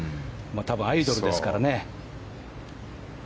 多分、アイドルですからね。